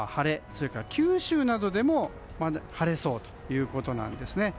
それから九州などでも晴れそうということです。